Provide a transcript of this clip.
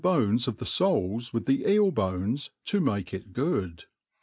bones of the foals with the eel bones, to make it good.